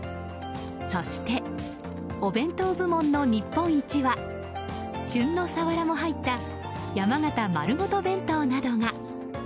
そして、お弁当部門の日本一は旬のサワラも入った山形まるごと弁当などが。